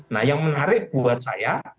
nah yang menarik buat saya